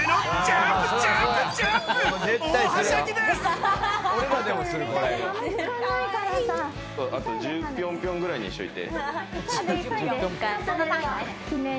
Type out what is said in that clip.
あと１０ピョンピョンぐらいにしといて。